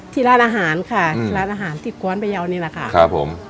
ที่ร้านอาหารค่ะที่ร้านอาหารติดกวนพยาวนี่แหละค่ะครับผม